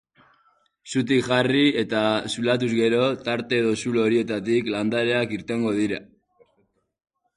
Zutik jarri eta zulatuz gero, tarte edo zulo horietatik landareak irtengo dira.